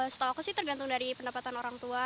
setahu aku sih tergantung dari pendapatan orang tua